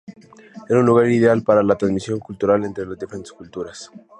Era una lugar ideal para la transmisión cultural entre las diferentes culturas.